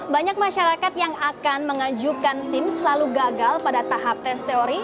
banyak masyarakat yang akan mengajukan sim selalu gagal pada tahap tes teori